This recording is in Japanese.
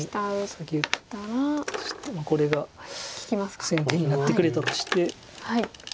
先に打ったとしてこれが先手になってくれたとして。